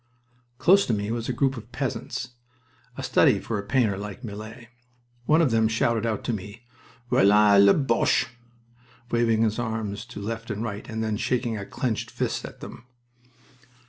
Close to me was a group of peasants a study for a painter like Millet. One of them shouted out to me, "Voilà les Boches!" waving his arm to left and right, and then shaking a clenched fist at them.